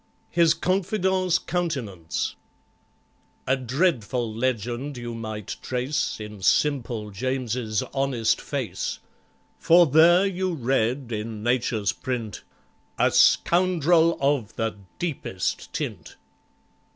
His Confidant's Countenance A dreadful legend you might trace In SIMPLE JAMES'S honest face, For there you read, in Nature's print, "A Scoundrel of the Deepest Tint."